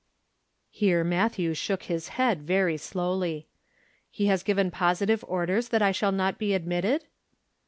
Here Matthew shook his head very slowly. "He has given positive orders that I shall not be admitted?"